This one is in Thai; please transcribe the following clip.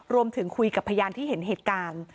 รวมถึงคุยกับพยานที่เห็นเหตุการณ์